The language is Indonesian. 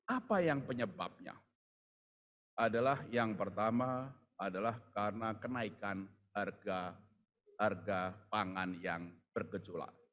apa yang penyebabnya adalah yang pertama adalah karena kenaikan harga pangan yang bergejolak